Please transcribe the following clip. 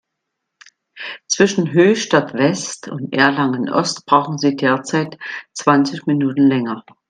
Zwischen Höchstadt-West und Erlangen-Ost brauchen Sie derzeit zwanzig Minuten länger.